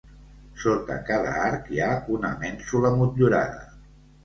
Sota cada arc hi ha una mènsula motllurada.